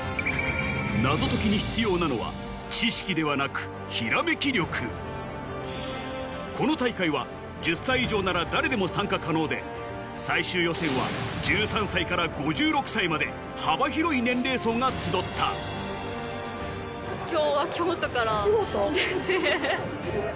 謎解きに必要なのはこの大会は１０歳以上なら誰でも参加可能で最終予選は１３歳から５６歳まで幅広い年齢層が集った今日は。